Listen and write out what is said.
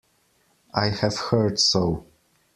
I have heard so.